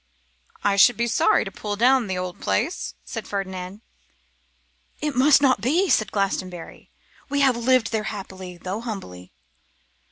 'I should be sorry to pull down the old place,' said Ferdinand. 'It must not be,' said Glastonbury; 'we have lived there happily, though humbly.